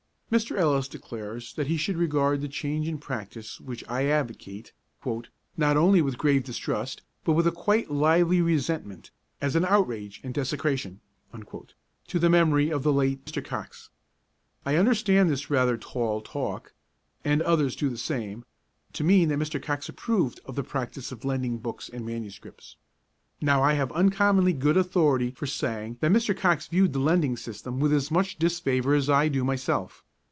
Mr. Ellis declares that he should regard the change of practice which I advocate 'not only with grave distrust, but with a quite lively resentment, as an outrage and desecration' to the memory of the late Mr. Coxe. I understand this rather tall talk (and others do the same) to mean that Mr. Coxe approved of the practice of lending books and MSS. Now I have uncommonly good authority for saying that Mr. Coxe viewed the lending system with as much disfavour as I do myself.